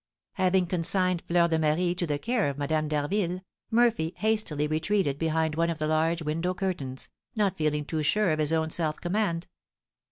Having consigned Fleur de Marie to the care of Madame d'Harville, Murphy hastily retreated behind one of the large window curtains, not feeling too sure of his own self command.